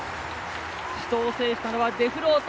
死闘を制したのはデフロート。